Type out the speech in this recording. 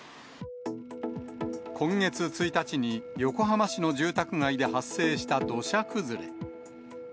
今月１日に横浜市の住宅街で発生した土砂崩れ。